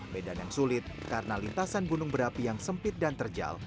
medan yang sulit karena lintasan gunung berapi yang sempit dan terjal